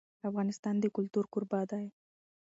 افغانستان د کلتور کوربه دی.